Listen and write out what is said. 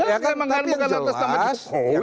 enggak memang kan bukan atas nama jokowi